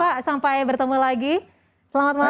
pak sampai bertemu lagi selamat malam